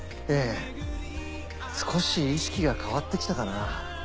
ええ少し意識が変わってきたかな。